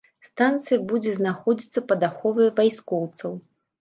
Станцыя будзе знаходзіцца пад аховай вайскоўцаў.